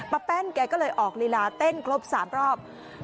แป้นแกก็เลยออกลีลาเต้นครบ๓รอบ